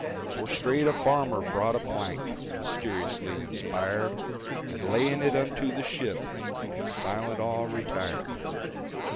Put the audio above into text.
For straight a farmer brought a plank,—(Mysteriously inspired)—And laying it unto the ship, In silent awe retired.